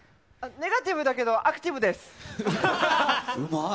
ネガティブだけど、アクティうまい！